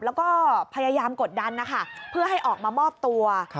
แล้วก็พยายามกดดันนะคะเพื่อให้ออกมามอบตัว